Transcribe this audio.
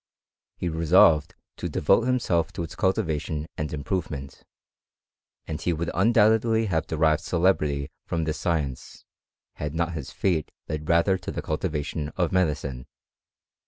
He resolved to devote himself to its cultiva tion and improvement; and he would undoubtedly have derived celebrity from this science, had not his fate led rather to the cultivation of medicine.